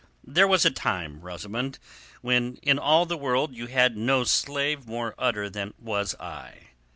"There was a time, Rosamund, when in all the world you had no slave more utter than was I.